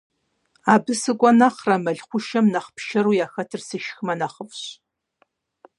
Абы сыкӀуэ нэхърэ, мэл хъушэм нэхъ пшэру яхэтыр сшхымэ нэхъыфӀщ.